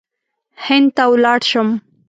هند ته ولاړ شم.